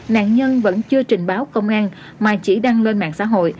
nạn nhân vẫn chưa trình báo công an mà chỉ đăng lên mạng xã hội